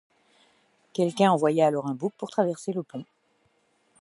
Quelqu'un envoya alors un bouc pour traverser le pont.